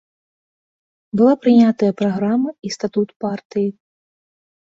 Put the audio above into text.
Была прынятая праграма і статут партыі.